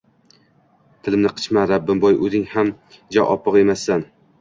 – Tilimni qichitma, Rahimboy, o‘zing ham ja oppoq emassan